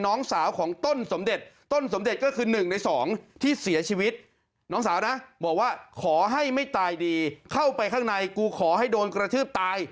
น้องสาวนะบอกว่าขอให้ไม่ตายดีเข้าไปข้างในกูขอให้โดนกระทืบตาย